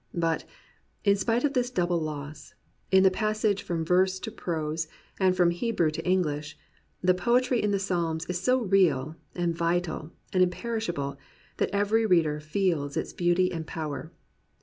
But, in spite of this double loss, in the passage from verse to prose and from Hebrew to English, the poetry in the Psalms is so real and vital and imperishable that every reader feels its beauty and power.